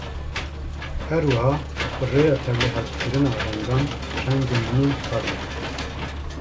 Her wiha bi rêya tevlihevkirina rengan, rengên nû saz bikin.